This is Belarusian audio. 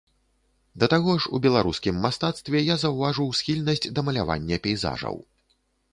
Да таго ж, у беларускім мастацтве я заўважыў схільнасць да малявання пейзажаў.